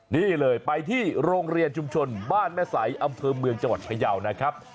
นี่เลยไปที่โรงเรียนชุมชนบ้านแม่สายอำเภอเมืองจังหวัดพยาวนะครับ